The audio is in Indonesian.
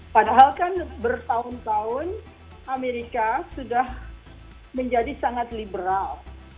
padahal kan bertahun tahun amerika sudah menjadi sangat liberal